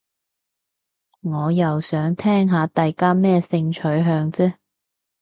我又想聽下大家咩性取向啫